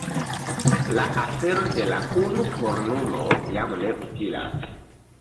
La afero de la unukornulo jam ne utilas.